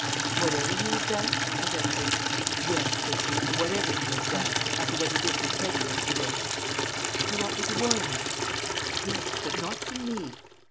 "Whatever he has done?" I ventured. "Yes!" said she. "Whatever he has done after what he did for Teddy yesterday!" "You want me to warn him?" "Yes but not from me!"